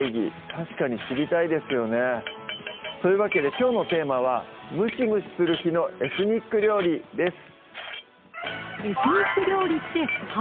確かに知りたいですよねというわけできょうのテーマは「ムシムシする日のエスニック料理」です